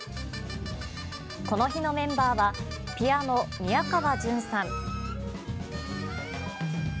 この日のメンバーはピアノ、宮川純さん。